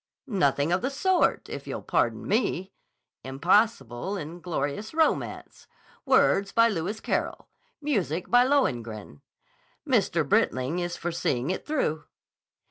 "Nothing of the sort, if you'll pardon me. Impossible and glorious romance. Words by Lewis Carroll. Music by Lohengrin. Mr. Brit ling is for seeing it through."